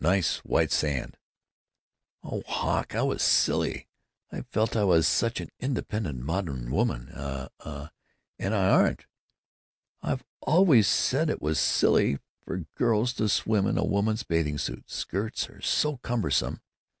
Nice white sand——" "Oh, Hawk, I was silly. I felt I was such an independent modern woman a a and I aren't! I've always said it was silly for girls to swim in a woman's bathing suit. Skirts are so cumbersome.